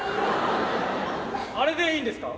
あれでいいんですか？